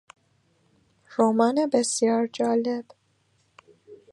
رمان بسیار جالب